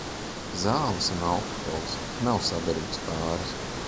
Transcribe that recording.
Z?les un alkohols nav sader?gs p?ris...